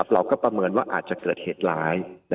ประเมินว่าอาจจะเกิดเหตุร้าย